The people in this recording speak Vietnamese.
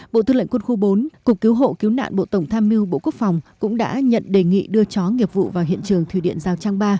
bộ tư lệnh quân khu bốn cục cứu hộ cứu nạn bộ tổng tham mưu bộ quốc phòng cũng đã nhận đề nghị đưa chó nghiệp vụ vào hiện trường thủy điện giao trang ba